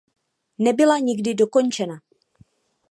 Nebyla nikdy dokončena.